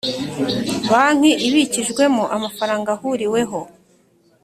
Banki ibikijwemo amafaranga ahuriweho